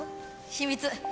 秘密。